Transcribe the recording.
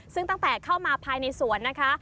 ซึ่งตั้งแต่เข้ามาภายในสวนนะคะ